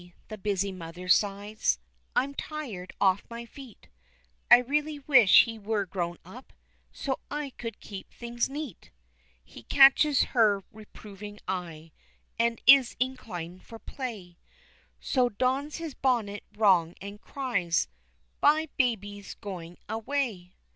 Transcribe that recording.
the busy mother sighs, I'm tired off my feet, I really wish he were grown up So I could keep things neat! He catches her reproving eye And is inclined for play, So dons his bonnet wrong, and cries "Bye, baby's goin' away!"